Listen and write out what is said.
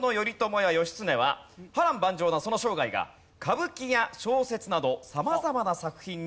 波瀾万丈なその生涯が歌舞伎や小説など様々な作品に描かれてきました。